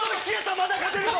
まだ勝てるぞ！